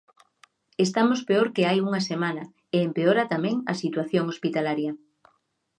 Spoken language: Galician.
Estamos peor que hai unha semana e empeora tamén a situación hospitalaria.